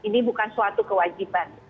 ini bukan suatu kewajiban